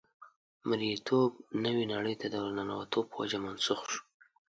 مرییتوب نوې نړۍ ته د ورننوتو په وجه منسوخ شو.